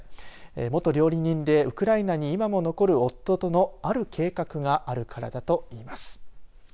元料理人でウクライナに今も残る夫とのある計画があるからだといいます。